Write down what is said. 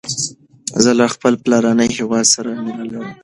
زه له خپل پلارنی هیواد سره مینه لرم